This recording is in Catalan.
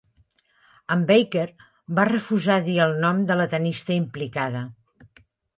En Barker va refusar dir el nom de la tennista implicada.